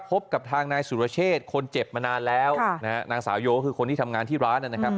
พบกับทางนายสุรเชษคนเจ็บมานานแล้วนะฮะนางสาวโยคือคนที่ทำงานที่ร้านนะครับ